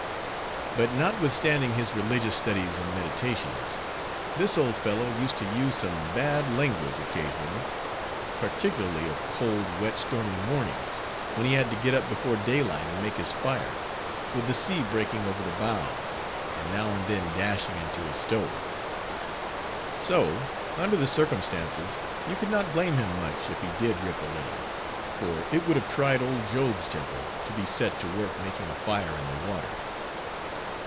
But notwithstanding his religious studies and meditations, this old fellow used to use some bad language occasionally; particularly of cold, wet stormy mornings, when he had to get up before daylight and make his fire; with the sea breaking over the bows, and now and then dashing into his stove. So, under the circumstances, you could not blame him much, if he did rip a little, for it would have tried old Job's temper, to be set to work making a fire in the water.